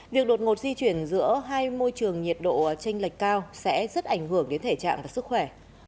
việc đột ngột di chuyển giữa hai môi trường nhiệt độ tranh lệch cao sẽ rất ảnh hưởng đến thể trạng và sức khỏe